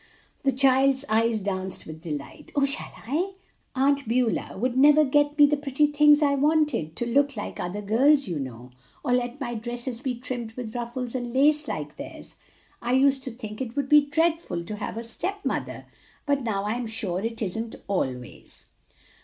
The child's eyes danced with delight. "Oh, shall I? Aunt Beulah never would get me the pretty things I wanted, to look like other girls, you know, or let my dresses be trimmed with ruffles and lace like theirs. I used to think it would be dreadful to have a step mother, but now I'm sure it isn't always."